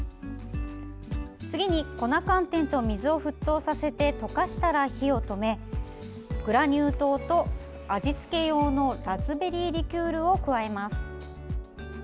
次に、粉寒天と水を沸騰させて溶かしたら火を止めグラニュー糖と味付け用のラズベリーリキュールを加えます。